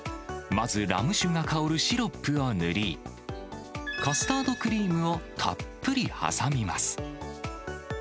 まずラム酒が香るシロップを塗り、カスタードクリームをたっぷり挟みます。